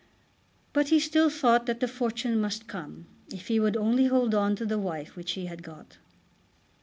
But he still thought that the fortune must come if he would only hold on to the wife which he had got.